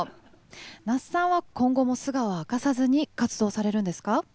Ｎａｓｕさんは今後も素顔を明かさずに活動されるんですか？